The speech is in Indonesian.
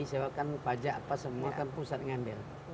saya bilang kan pajak apa semua kan pusat ngambil